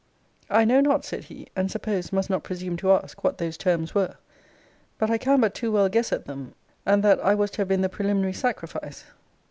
I know not, said he, and suppose must not presume to ask, what those terms were. But I can but too well guess at them; and that I was to have been the preliminary sacrifice.